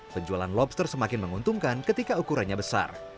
penjualan lobster semakin menguntungkan ketika ukurannya besar